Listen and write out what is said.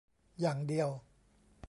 อย่างเดียว